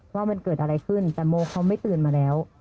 ว่ามันเกิดอะไรขึ้นแต่โมเขาไม่ตื่นมาแล้ว